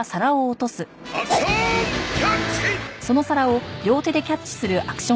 アクショーンキャッチ！